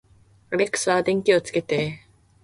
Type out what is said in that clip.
アレクサ、電気をつけて